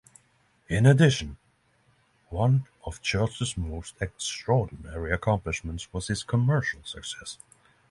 In addition, one of Church's most extraordinary accomplishments was his commercial success.